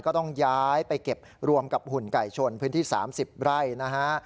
ก็ต้องย้ายไปเก็บรวมกับหุ่นไก่ชนพื้นที่๓๐ไร่นะฮะ